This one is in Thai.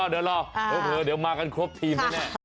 เดี๋ยวรอเผลอเดี๋ยวมากันครบทีมแน่